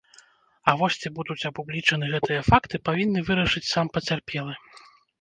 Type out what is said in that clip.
А вось ці будуць апублічаны гэтыя факты павінны вырашыць сам пацярпелы.